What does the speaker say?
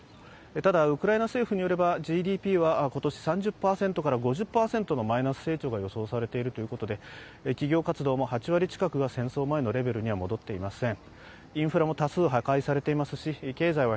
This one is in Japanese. ただ、ウクライナ政府はＧＤＰは今年３０％０５０％のマイナス成長が予想されているということで企業活動も８割近くが戦争前のレベルには戻っていません。